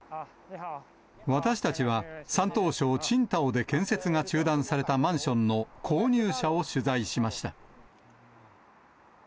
私たちは山東省青島で建設が中断されたマンションの購入者を取材しました。